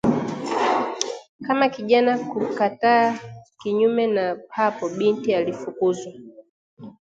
kama kijana kakataa, kinyume na hapo, binti alifukuzwa